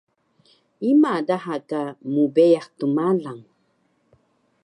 Ima daha ka mbeyax tmalang?